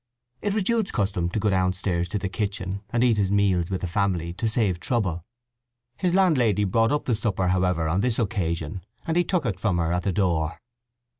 It was Jude's custom to go downstairs to the kitchen, and eat his meals with the family, to save trouble. His landlady brought up the supper, however, on this occasion, and he took it from her at the door.